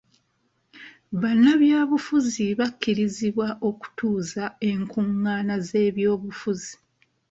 Bannabyabufuzi bakkirizibwa okutuuza enkungana z'ebyobufuzi.